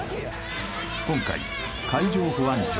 今回海上保安庁